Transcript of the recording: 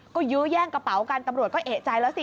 ก็ยื้อแย่งกระเป๋ากันตำรวจก็เอกใจแล้วสิ